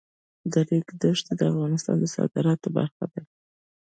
د ریګ دښتې د افغانستان د صادراتو برخه ده.